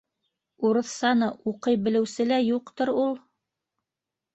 — Урыҫсаны уҡый белеүсе лә юҡтыр ул?